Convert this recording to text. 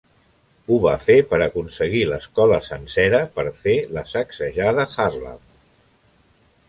Ho va fer per aconseguir l'escola sencera per fer la sacsejada Harlem.